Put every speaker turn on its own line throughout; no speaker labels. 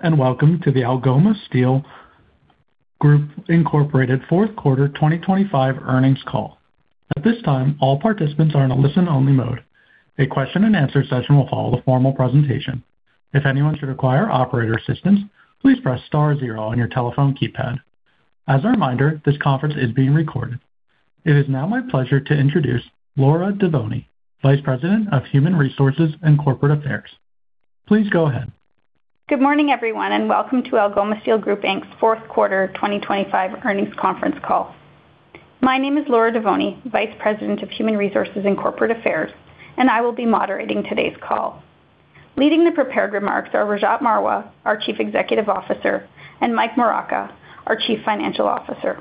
Greetings, and welcome to the Algoma Steel Group Inc fourth quarter 2025 earnings call. At this time, all participants are in a listen-only mode. A question-and-answer session will follow the formal presentation. If anyone should require operator assistance, please press star zero on your telephone keypad. As a reminder, this conference is being recorded. It is now my pleasure to introduce Laura Devoni, Vice President of Human Resources and Corporate Affairs. Please go ahead.
Good morning, everyone, and welcome to Algoma Steel Group Inc's fourth quarter 2025 earnings conference call. My name is Laura Devoni, Vice President of Human Resources and Corporate Affairs, and I will be moderating today's call. Leading the prepared remarks are Rajat Marwah, our Chief Executive Officer, and Mike Moraca our Chief Financial Officer.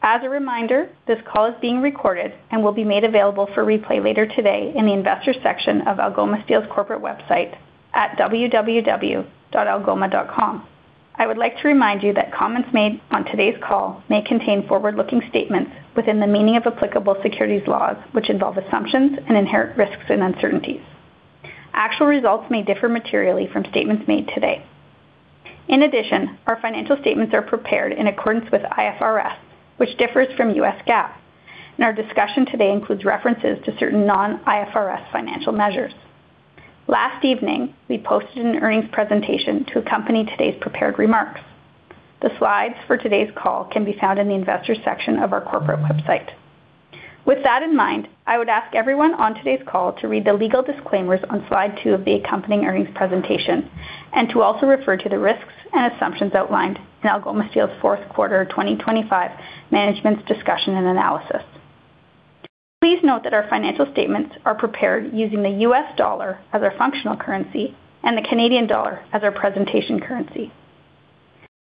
As a reminder, this call is being recorded and will be made available for replay later today in the investor section of Algoma Steel's corporate website at www.algoma.com. I would like to remind you that comments made on today's call may contain forward-looking statements within the meaning of applicable securities laws, which involve assumptions and inherent risks and uncertainties. Actual results may differ materially from statements made today. In addition, our financial statements are prepared in accordance with IFRS, which differs from U.S. GAAP, and our discussion today includes references to certain non-IFRS financial measures. Last evening, we posted an earnings presentation to accompany today's prepared remarks. The slides for today's call can be found in the investor section of our corporate website. With that in mind, I would ask everyone on today's call to read the legal disclaimers on slide two of the accompanying earnings presentation and to also refer to the risks and assumptions outlined in Algoma Steel's fourth quarter 2025 management's discussion and analysis. Please note that our financial statements are prepared using the U.S. dollar as our functional currency and the Canadian dollar as our presentation currency.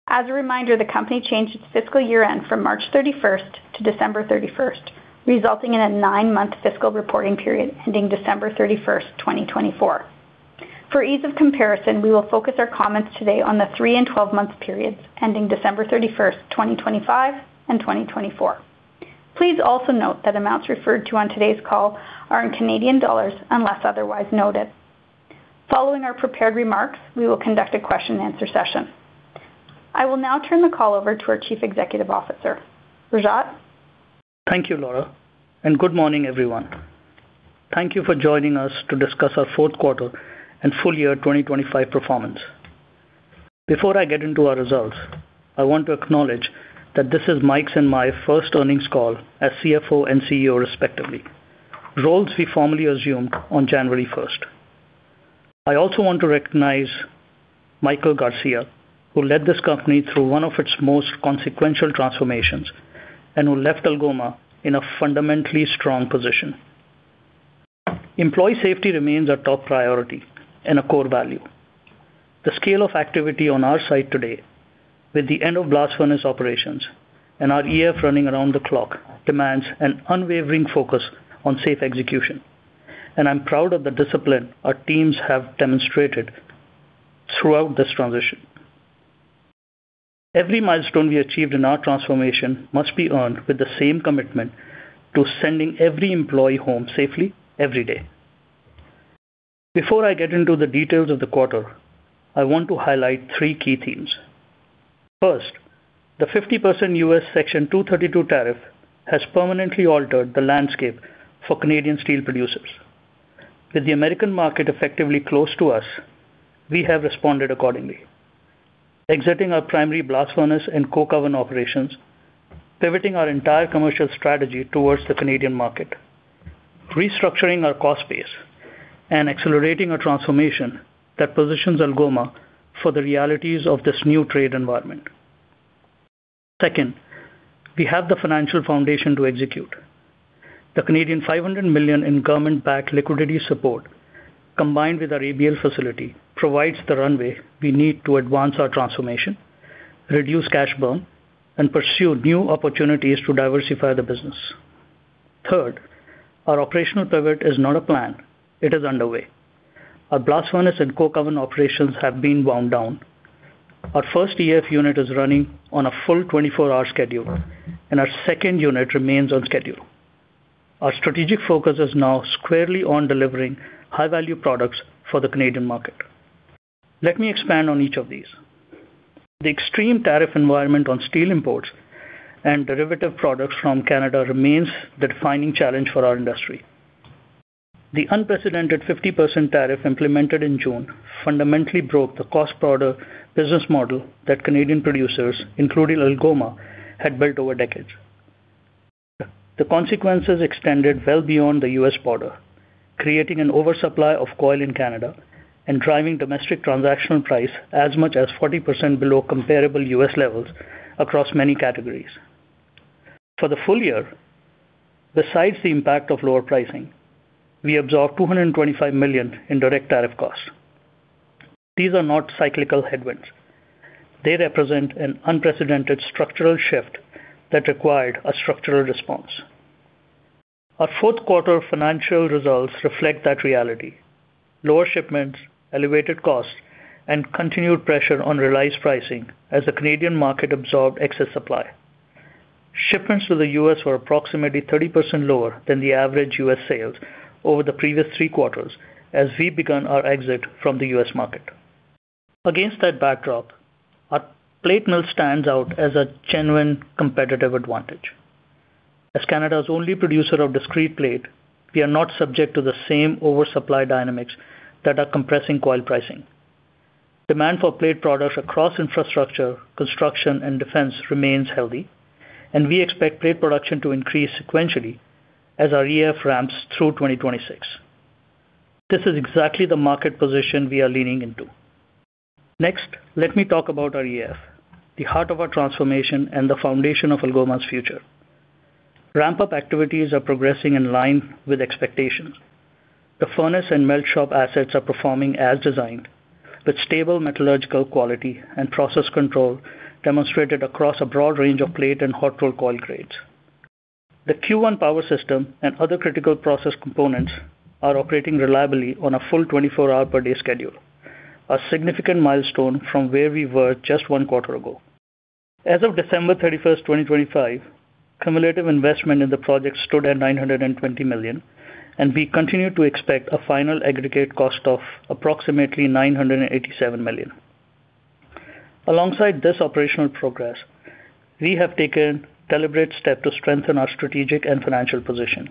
As a reminder, the company changed its fiscal year-end from March 31st to December 31st, resulting in a nine-month fiscal reporting period ending December 31st, 2024. For ease of comparison, we will focus our comments today on the three and 12-month periods ending December 31st, 2025, and 2024. Please also note that amounts referred to on today's call are in Canadian dollars, unless otherwise noted. Following our prepared remarks, we will conduct a question-and-answer session. I will now turn the call over to our Chief Executive Officer. Rajat?
Thank you, Laura, and good morning, everyone. Thank you for joining us to discuss our fourth quarter and full year 2025 performance. Before I get into our results, I want to acknowledge that this is Mike's and my first earnings call as CFO and CEO respectively, roles we formally assumed on January first. I also want to recognize Michael Garcia, who led this company through one of its most consequential transformations and who left Algoma in a fundamentally strong position. Employee safety remains our top priority and a core value. The scale of activity on our site today with the end of blast furnace operations and our EAF running around the clock demands an unwavering focus on safe execution, and I'm proud of the discipline our teams have demonstrated throughout this transition. Every milestone we achieved in our transformation must be earned with the same commitment to sending every employee home safely every day. Before I get into the details of the quarter, I want to highlight three key themes. First, the 50% U.S. Section 232 tariff has permanently altered the landscape for Canadian steel producers. With the American market effectively closed to us, we have responded accordingly, exiting our primary blast furnace and coke oven operations, pivoting our entire commercial strategy towards the Canadian market, restructuring our cost base, and accelerating a transformation that positions Algoma for the realities of this new trade environment. Second, we have the financial foundation to execute. The 500 million in government-backed liquidity support, combined with our ABL facility, provides the runway we need to advance our transformation, reduce cash burn, and pursue new opportunities to diversify the business. Third, our operational pivot is not a plan. It is underway. Our blast furnace and coke oven operations have been wound down. Our first EAF unit is running on a full 24-hour schedule, and our second unit remains on schedule. Our strategic focus is now squarely on delivering high-value products for the Canadian market. Let me expand on each of these. The extreme tariff environment on steel imports and derivative products from Canada remains the defining challenge for our industry. The unprecedented 50% tariff implemented in June fundamentally broke the cross-border business model that Canadian producers, including Algoma, had built over decades. The consequences extended well beyond the U.S. border, creating an oversupply of coil in Canada and driving domestic transaction prices as much as 40% below comparable U.S. levels across many categories. For the full year, besides the impact of lower pricing, we absorbed 225 million in direct tariff costs. These are not cyclical headwinds. They represent an unprecedented structural shift that required a structural response. Our fourth quarter financial results reflect that reality. Lower shipments, elevated costs, and continued pressure on realized pricing as the Canadian market absorbed excess supply. Shipments to the U.S. were approximately 30% lower than the average U.S. sales over the previous three quarters as we began our exit from the U.S. market. Against that backdrop, our plate mill stands out as a genuine competitive advantage. As Canada's only producer of discrete plate, we are not subject to the same oversupply dynamics that are compressing coil pricing. Demand for plate products across infrastructure, construction, and defense remains healthy, and we expect plate production to increase sequentially as our EAF ramps through 2026. This is exactly the market position we are leaning into. Next, let me talk about our EAF, the heart of our transformation and the foundation of Algoma's future. Ramp-up activities are progressing in line with expectations. The furnace and melt shop assets are performing as designed, with stable metallurgical quality and process control demonstrated across a broad range of plate and hot-rolled coil grades. The Q1 power system and other critical process components are operating reliably on a full 24-hour per day schedule, a significant milestone from where we were just one quarter ago. As of December 31st, 2025, cumulative investment in the project stood at 920 million, and we continue to expect a final aggregate cost of approximately 987 million. Alongside this operational progress, we have taken deliberate step to strengthen our strategic and financial position.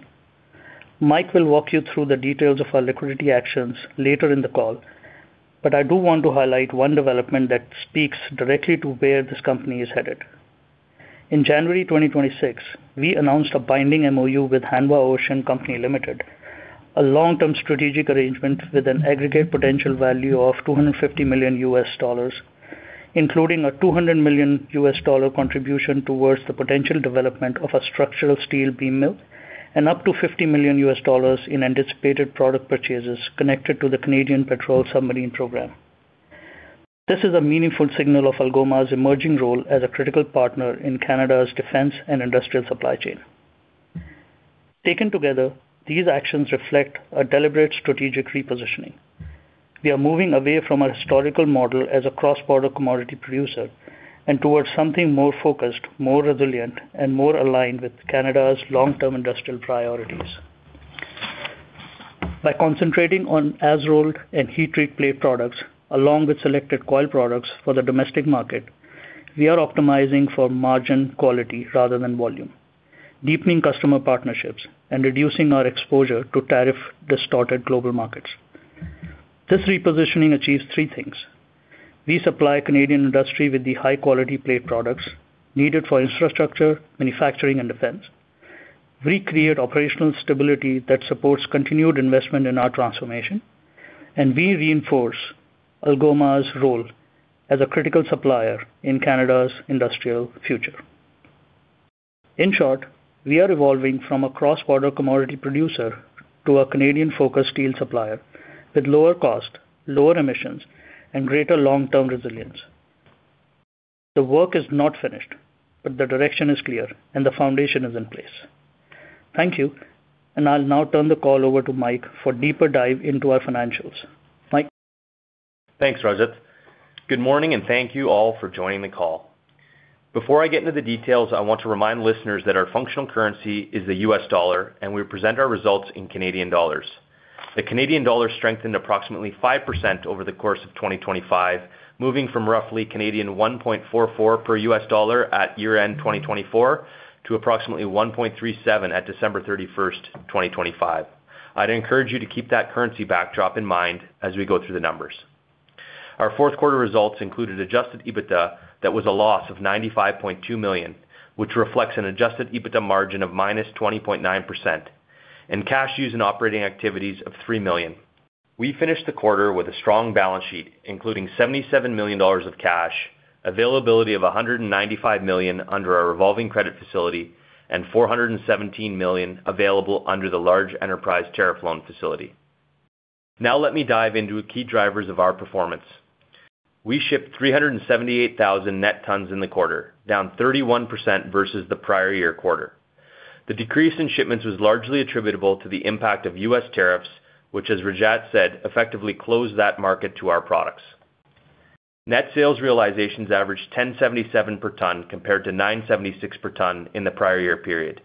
Mike will walk you through the details of our liquidity actions later in the call, but I do want to highlight one development that speaks directly to where this company is headed. In January 2026, we announced a binding MOU with Hanwha Ocean Co Ltd, a long-term strategic arrangement with an aggregate potential value of $250 million, including a $200 million contribution towards the potential development of a structural steel beam mill, and up to $50 million in anticipated product purchases connected to the Canadian Patrol Submarine Project. This is a meaningful signal of Algoma's emerging role as a critical partner in Canada's defense and industrial supply chain. Taken together, these actions reflect a deliberate strategic repositioning. We are moving away from our historical model as a cross-border commodity producer and towards something more focused, more resilient, and more aligned with Canada's long-term industrial priorities. By concentrating on as-rolled and heat treat plate products along with selected coil products for the domestic market, we are optimizing for margin quality rather than volume, deepening customer partnerships and reducing our exposure to tariff-distorted global markets. This repositioning achieves three things. We supply Canadian industry with the high-quality plate products needed for infrastructure, manufacturing, and defense. We create operational stability that supports continued investment in our transformation, and we reinforce Algoma's role as a critical supplier in Canada's industrial future. In short, we are evolving from a cross-border commodity producer to a Canadian-focused steel supplier with lower cost, lower emissions, and greater long-term resilience. The work is not finished, but the direction is clear and the foundation is in place. Thank you. I'll now turn the call over to Mike for deeper dive into our financials. Mike?
Thanks, Rajat. Good morning and thank you all for joining the call. Before I get into the details, I want to remind listeners that our functional currency is the U.S. Dollar, and we present our results in Canadian dollars. The Canadian dollar strengthened approximately 5% over the course of 2025, moving from roughly 1.44 per U.S. dollar at year-end 2024 to approximately 1.37 at December 31st, 2025. I'd encourage you to keep that currency backdrop in mind as we go through the numbers. Our fourth quarter results included Adjusted EBITDA that was a loss of 95.2 million, which reflects an Adjusted EBITDA margin of -20.9% and cash used in operating activities of 3 million. We finished the quarter with a strong balance sheet, including 77 million dollars of cash, availability of 195 million under our revolving credit facility, and 417 million available under the Large Enterprise Tariff Loan facility. Now let me dive into key drivers of our performance. We shipped 378,000 net tons in the quarter, down 31% versus the prior year quarter. The decrease in shipments was largely attributable to the impact of U.S. tariffs, which, as Rajat said, effectively closed that market to our products. Net sales realizations averaged 1,077 per ton compared to 976 per ton in the prior year period.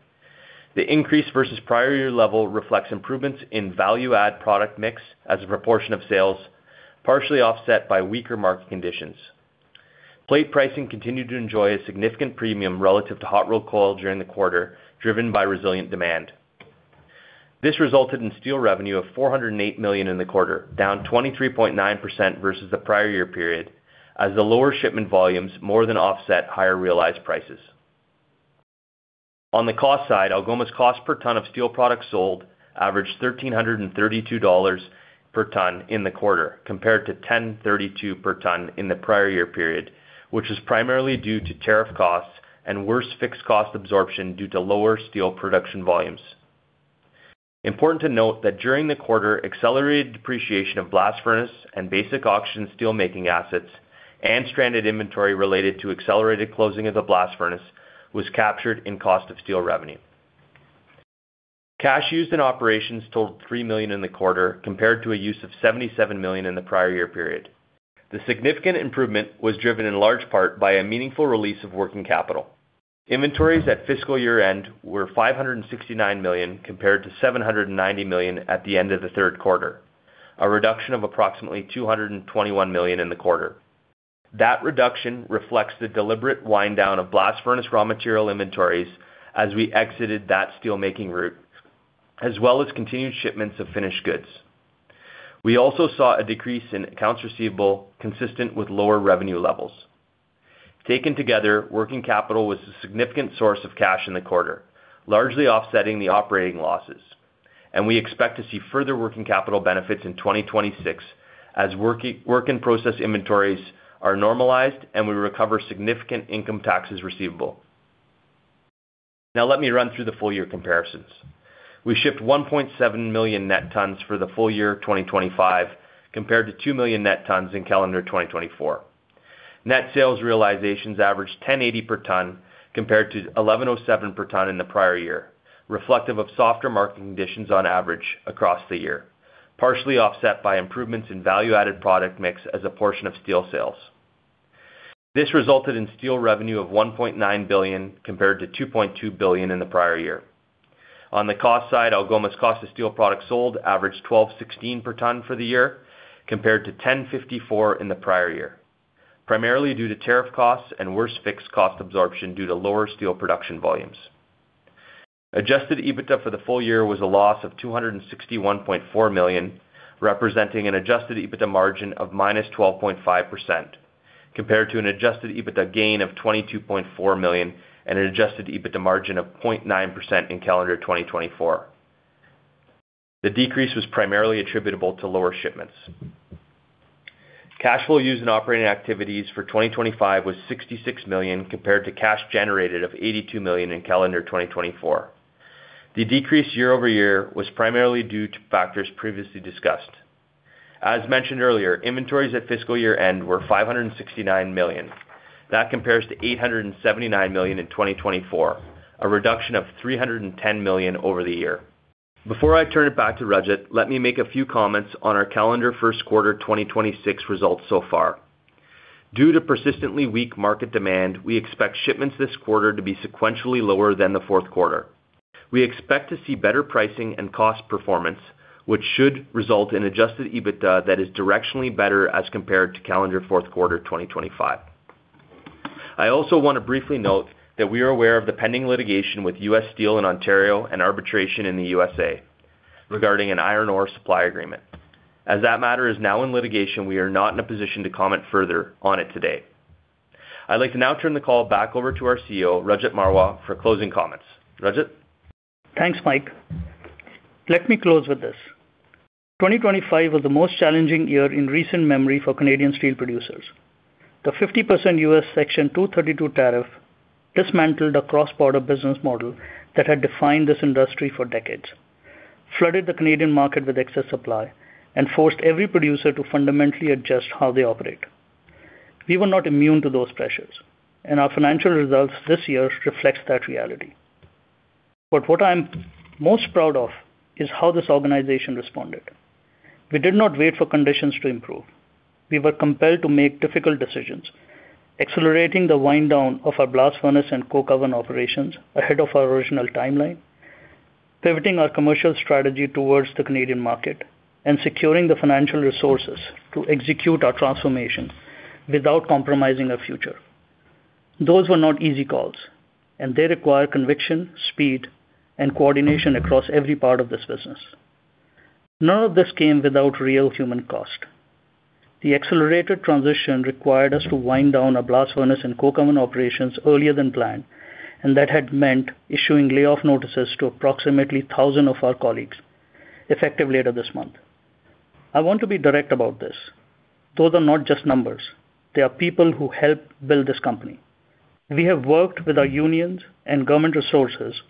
The increase versus prior year level reflects improvements in value-add product mix as a proportion of sales, partially offset by weaker market conditions. Plate pricing continued to enjoy a significant premium relative to hot-rolled coil during the quarter, driven by resilient demand. This resulted in steel revenue of 408 million in the quarter, down 23.9% versus the prior year period, as the lower shipment volumes more than offset higher realized prices. On the cost side, Algoma's cost per ton of steel products sold averaged 1,332 dollars per ton in the quarter, compared to 1,032 per ton in the prior year period, which is primarily due to tariff costs and worse fixed cost absorption due to lower steel production volumes. Important to note that during the quarter, accelerated depreciation of blast furnace and basic oxygen steelmaking assets and stranded inventory related to accelerated closing of the blast furnace was captured in cost of sales. Cash used in operations totaled 3 million in the quarter compared to a use of 77 million in the prior year period. The significant improvement was driven in large part by a meaningful release of working capital. Inventories at fiscal year-end were 569 million, compared to 790 million at the end of the third quarter, a reduction of approximately 221 million in the quarter. That reduction reflects the deliberate wind down of blast furnace raw material inventories as we exited that steelmaking route, as well as continued shipments of finished goods. We also saw a decrease in accounts receivable consistent with lower revenue levels. Taken together, working capital was a significant source of cash in the quarter, largely offsetting the operating losses, and we expect to see further working capital benefits in 2026 as work in process inventories are normalized and we recover significant income taxes receivable. Now let me run through the full year comparisons. We shipped 1.7 million net tons for the full year 2025, compared to 2 million net tons in calendar 2024. Net sales realizations averaged 1,080 per ton, compared to 1,107 per ton in the prior year, reflective of softer market conditions on average across the year, partially offset by improvements in value-added product mix as a portion of steel sales. This resulted in steel revenue of 1.9 billion compared to 2.2 billion in the prior year. On the cost side, Algoma's cost of steel products sold averaged 1,216 per ton for the year, compared to 1,054 in the prior year, primarily due to tariff costs and worse fixed cost absorption due to lower steel production volumes. Adjusted EBITDA for the full year was a loss of 261.4 million, representing an adjusted EBITDA margin of -12.5%, compared to an adjusted EBITDA gain of 22.4 million and an adjusted EBITDA margin of 0.9% in calendar 2024. The decrease was primarily attributable to lower shipments. Cash flow used in operating activities for 2025 was 66 million, compared to cash generated of 82 million in calendar 2024. The decrease year-over-year was primarily due to factors previously discussed. As mentioned earlier, inventories at fiscal year-end were 569 million. That compares to 879 million in 2024, a reduction of 310 million over the year. Before I turn it back to Rajat, let me make a few comments on our calendar first quarter 2026 results so far. Due to persistently weak market demand, we expect shipments this quarter to be sequentially lower than the fourth quarter. We expect to see better pricing and cost performance, which should result in Adjusted EBITDA that is directionally better as compared to calendar fourth quarter 2025. I also want to briefly note that we are aware of the pending litigation with U.S. Steel in Ontario and arbitration in the U.S.A. regarding an iron ore supply agreement. As that matter is now in litigation, we are not in a position to comment further on it today. I'd like to now turn the call back over to our CEO, Rajat Marwah, for closing comments. Rajat?
Thanks, Mike. Let me close with this. 2025 was the most challenging year in recent memory for Canadian steel producers. The 50% US Section 232 tariff dismantled a cross-border business model that had defined this industry for decades, flooded the Canadian market with excess supply, and forced every producer to fundamentally adjust how they operate. We were not immune to those pressures, and our financial results this year reflects that reality. What I'm most proud of is how this organization responded. We did not wait for conditions to improve. We were compelled to make difficult decisions, accelerating the wind down of our blast furnace and coke oven operations ahead of our original timeline, pivoting our commercial strategy towards the Canadian market, and securing the financial resources to execute our transformation without compromising our future. Those were not easy calls, and they require conviction, speed, and coordination across every part of this business. None of this came without real human cost. The accelerated transition required us to wind down our blast furnace and coke oven operations earlier than planned, and that had meant issuing layoff notices to approximately 1,000 of our colleagues effective later this month. I want to be direct about this. Those are not just numbers. They are people who helped build this company. We have worked with our unions and government resources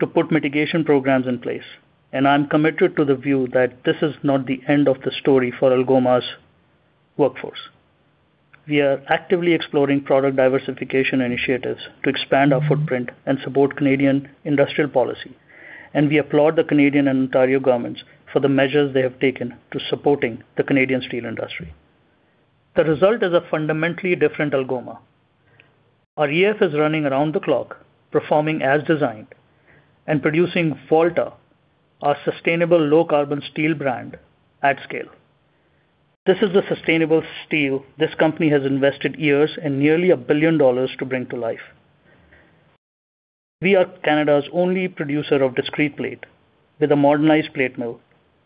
to put mitigation programs in place, and I'm committed to the view that this is not the end of the story for Algoma's workforce. We are actively exploring product diversification initiatives to expand our footprint and support Canadian industrial policy, and we applaud the Canadian and Ontario governments for the measures they have taken to support the Canadian steel industry. The result is a fundamentally different Algoma. Our EAF is running around the clock, performing as designed, and producing Volta, our sustainable low-carbon steel brand, at scale. This is the sustainable steel this company has invested years and nearly 1 billion dollars to bring to life. We are Canada's only producer of discrete plate with a modernized plate mill,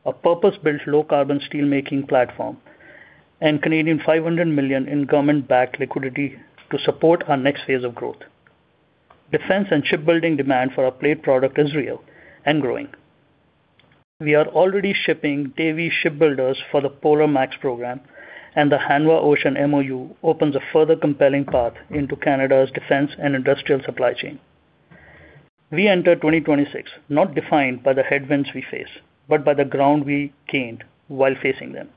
a purpose-built low-carbon steel making platform, and 500 million in government-backed liquidity to support our next phase of growth. Defense and shipbuilding demand for our plate product is real and growing. We are already shipping Davie Shipbuilding for the Polar Icebreaker program, and the Hanwha Ocean MOU opens a further compelling path into Canada's defense and industrial supply chain. We enter 2026 not defined by the headwinds we face, but by the ground we gained while facing them.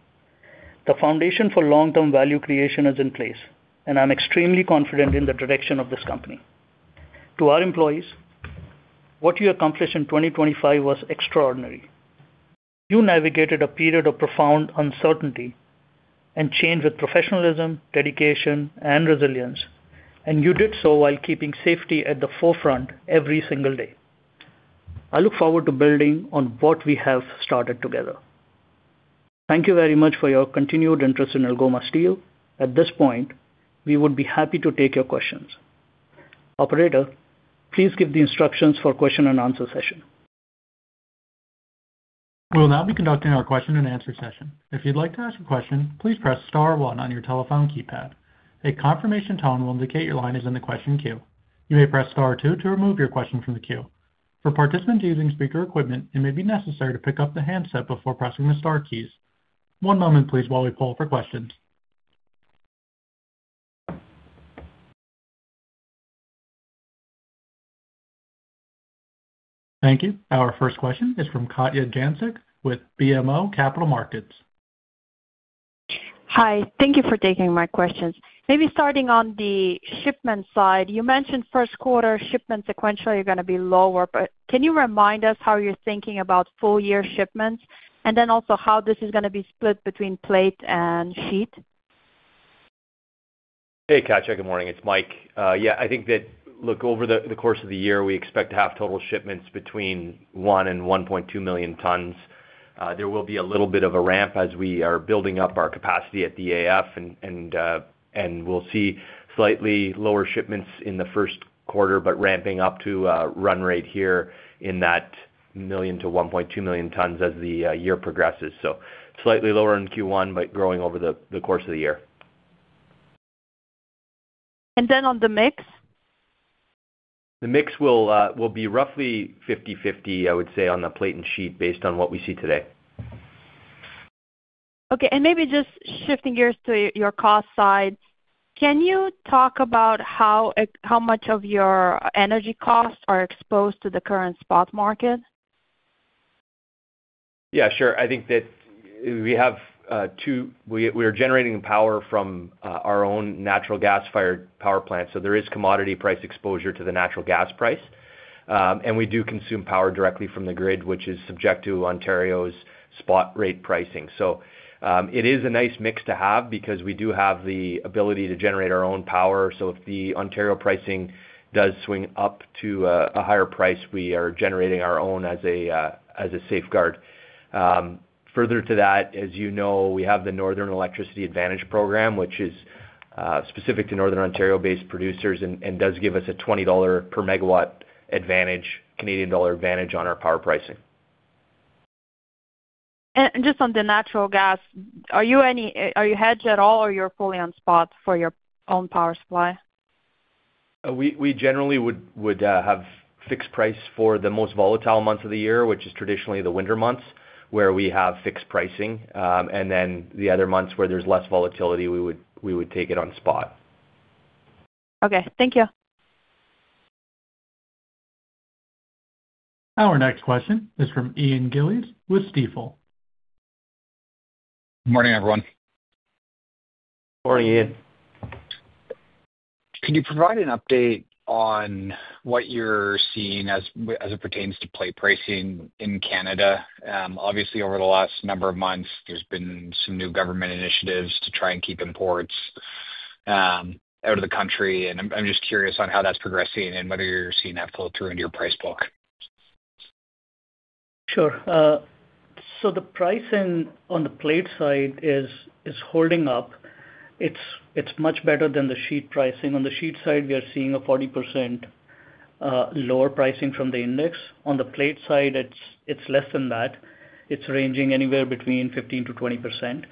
The foundation for long-term value creation is in place, and I'm extremely confident in the direction of this company. To our employees, what you accomplished in 2025 was extraordinary. You navigated a period of profound uncertainty and change with professionalism, dedication, and resilience, and you did so while keeping safety at the forefront every single day. I look forward to building on what we have started together. Thank you very much for your continued interest in Algoma Steel. At this point, we would be happy to take your questions. Operator, please give the instructions for question and answer session.
We'll now be conducting our question and answer session. If you'd like to ask a question, please press star one on your telephone keypad. A confirmation tone will indicate your line is in the question queue. You may press star two to remove your question from the queue. For participants using speaker equipment, it may be necessary to pick up the handset before pressing the star keys. One moment please while we poll for questions. Thank you. Our first question is from Katja Jancic with BMO Capital Markets.
Hi. Thank you for taking my questions. Maybe starting on the shipment side. You mentioned first quarter shipments sequentially are gonna be lower, but can you remind us how you're thinking about full year shipments? And then also how this is gonna be split between plate and sheet?
Hey, Katja. Good morning. It's Mike. I think that, look, over the course of the year, we expect to have total shipments between one and 1.2 million tons. There will be a little bit of a ramp as we are building up our capacity at EAF, and we'll see slightly lower shipments in the first quarter, but ramping up to a run rate here in that 1-1.2 million tons as the year progresses. Slightly lower in Q1, but growing over the course of the year.
Then on the mix?
The mix will be roughly 50/50, I would say, on the plate and sheet based on what we see today.
Okay. Maybe just shifting gears to your cost side. Can you talk about how much of your energy costs are exposed to the current spot market?
Yeah, sure. I think that we have two— We are generating power from our own natural gas-fired power plant, so there is commodity price exposure to the natural gas price. We do consume power directly from the grid, which is subject to Ontario's spot rate pricing. It is a nice mix to have because we do have the ability to generate our own power. If the Ontario pricing does swing up to a higher price, we are generating our own as a safeguard. Further to that, as you know, we have the Northern Energy Advantage Program, which is specific to Northern Ontario-based producers and does give us a 20 dollar per MW advantage, Canadian dollar advantage on our power pricing.
Just on the natural gas, are you hedged at all or you're fully on spot for your own power supply?
We generally would have fixed price for the most volatile months of the year, which is traditionally the winter months, where we have fixed pricing. The other months where there's less volatility, we would take it on spot.
Okay. Thank you.
Our next question is from Ian Gillies with Stifel.
Morning, everyone.
Morning, Ian.
Could you provide an update on what you're seeing as it pertains to plate pricing in Canada? Obviously, over the last number of months, there's been some new government initiatives to try and keep imports out of the country, and I'm just curious on how that's progressing and whether you're seeing that flow through into your price book.
Sure. The pricing on the plate side is holding up. It's much better than the sheet pricing. On the sheet side, we are seeing a 40% lower pricing from the index. On the plate side, it's less than that. It's ranging anywhere between 15%-20%.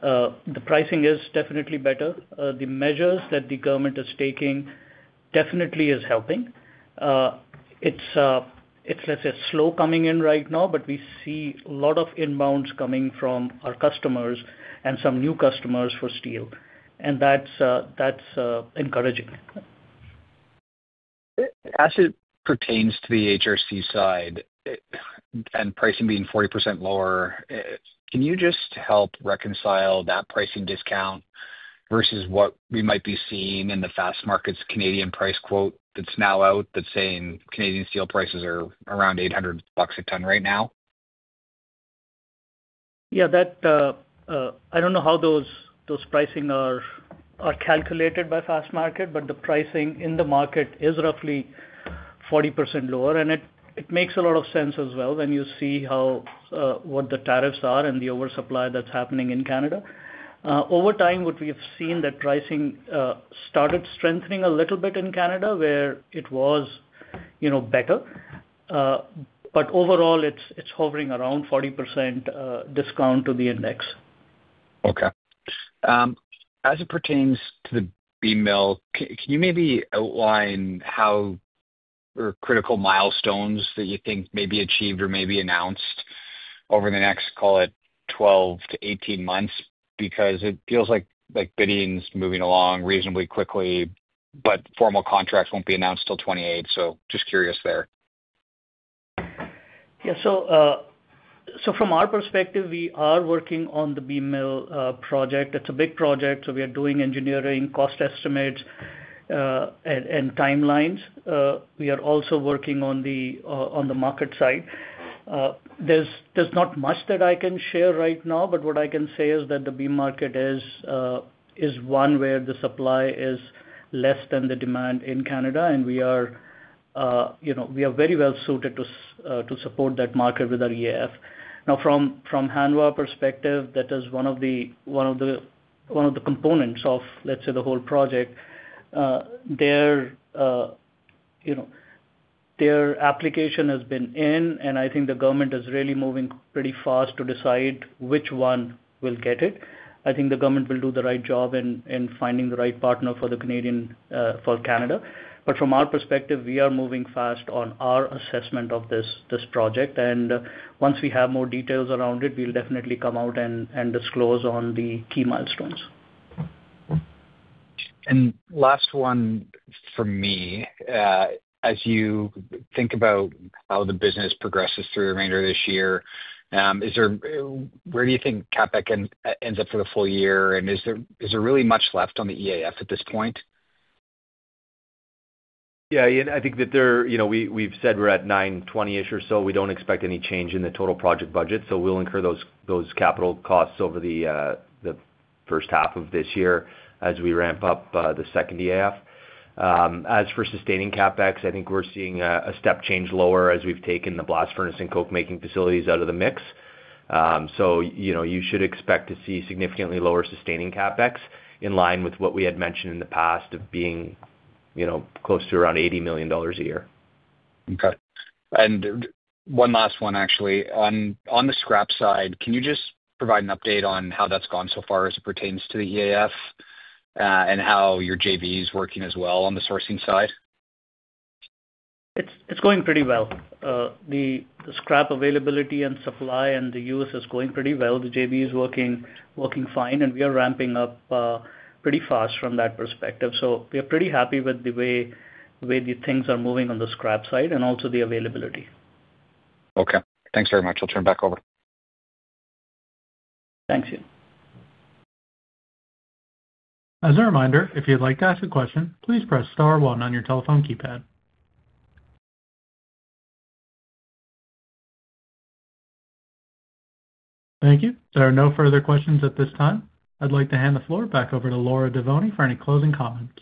The pricing is definitely better. The measures that the government is taking definitely is helping. It's slow coming in right now, but we see a lot of inbounds coming from our customers and some new customers for steel, and that's encouraging.
As it pertains to the HRC side, and pricing being 40% lower, can you just help reconcile that pricing discount versus what we might be seeing in the Fastmarkets Canadian price quote that's now out that's saying Canadian steel prices are around 800 bucks a ton right now?
Yeah, that I don't know how those pricing are calculated by Fastmarkets, but the pricing in the market is roughly 40% lower, and it makes a lot of sense as well when you see how what the tariffs are and the oversupply that's happening in Canada. Over time, what we have seen that pricing started strengthening a little bit in Canada, where it was, you know, better. Overall, it's hovering around 40% discount to the index.
Okay. As it pertains to the beam mill, can you maybe outline how or critical milestones that you think may be achieved or may be announced over the next, call it, 12-18 months? Because it feels like bidding's moving along reasonably quickly, but formal contracts won't be announced till 2028. Just curious there.
Yeah. From our perspective, we are working on the beam mill project. It's a big project, so we are doing engineering, cost estimates, and timelines. We are also working on the market side. There's not much that I can share right now, but what I can say is that the beam market is one where the supply is less than the demand in Canada, and we are, you know, we are very well suited to support that market with our EAF. Now, from Hanwha perspective, that is one of the components of, let's say, the whole project. Their application has been in, and I think the government is really moving pretty fast to decide which one will get it. I think the government will do the right job in finding the right partner for Canada. From our perspective, we are moving fast on our assessment of this project. Once we have more details around it, we'll definitely come out and disclose on the key milestones.
Last one from me. As you think about how the business progresses through the remainder of this year, where do you think CapEx ends up for the full year? Is there really much left on the EAF at this point?
Yeah, Ian, I think that, you know, we've said we're at 920-ish or so. We don't expect any change in the total project budget, so we'll incur those capital costs over the first half of this year as we ramp up the second half. As for sustaining CapEx, I think we're seeing a step change lower as we've taken the blast furnace and coke-making facilities out of the mix. You know, you should expect to see significantly lower sustaining CapEx in line with what we had mentioned in the past of being, you know, close to around 80 million dollars a year.
Okay. One last one, actually. On the scrap side, can you just provide an update on how that's gone so far as it pertains to the EAF and how your JV is working as well on the sourcing side?
It's going pretty well. The scrap availability and supply and the use is going pretty well. The JV is working fine, and we are ramping up pretty fast from that perspective. We are pretty happy with the way the things are moving on the scrap side and also the availability.
Okay. Thanks very much. I'll turn it back over.
Thank you.
As a reminder, if you'd like to ask a question, please press star one on your telephone keypad. Thank you. There are no further questions at this time. I'd like to hand the floor back over to Laura Devoni for any closing comments.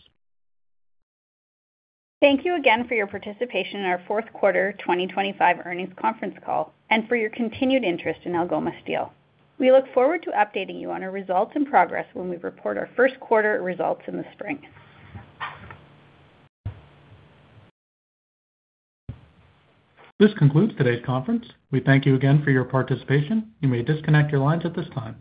Thank you again for your participation in our fourth quarter 2025 earnings conference call and for your continued interest in Algoma Steel. We look forward to updating you on our results and progress when we report our first quarter results in the spring.
This concludes today's conference. We thank you again for your participation. You may disconnect your lines at this time.